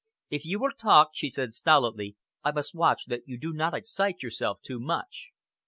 "If you will talk," she said stolidly, "I must watch that you do not excite yourself too much!"